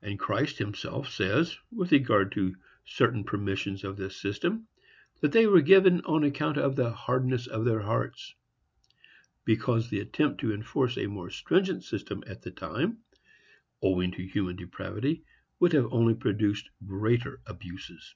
And Christ himself says, with regard to certain permissions of this system, that they were given on account of the "hardness of their hearts,"—because the attempt to enforce a more stringent system at that time, owing to human depravity, would have only produced greater abuses.